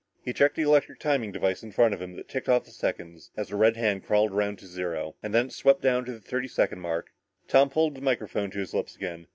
He checked the electric timing device in front of him that ticked off the seconds, as a red hand crawled around to zero, and when it swept down to the thirty second mark, Tom pulled the microphone to his lips again.